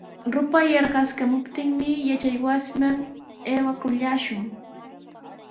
Rupay yarqaskamuptinmi yachaywasiman aywakullaashun.